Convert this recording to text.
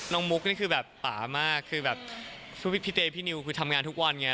มุกนี่คือแบบป่ามากคือแบบพี่เตพี่นิวคือทำงานทุกวันไง